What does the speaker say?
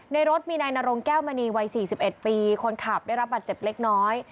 รถมีนายนรงแก้วมณีวัย๔๑ปีคนขับได้รับบัตรเจ็บเล็กน้อย